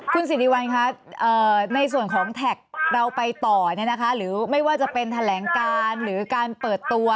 คุณสิริวัลคะในส่วนของแท็กเราไปต่อหรือไม่ว่าจะเป็นแถลงการหรือการเปิดตัว